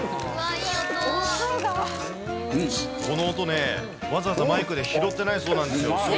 この音ね、わざわざマイクで拾ってないそうなんですよ。